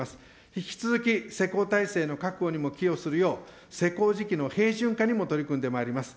引き続き、施工体制の確保にも寄与するよう、施行時期の平準化にも取り組んでまいります。